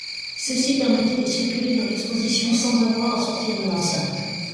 Ceux-ci permettaient de circuler dans l'exposition sans avoir à sortir de l'enceinte.